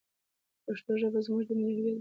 پښتو ژبه زموږ د ملي هویت بنسټ دی.